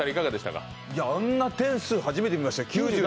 あんな点数、初めて見ましたよ。